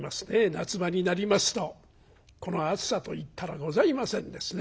夏場になりますとこの暑さといったらございませんですね。